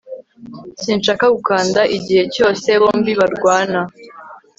sinshaka gukanda igihe cyose bombi barwana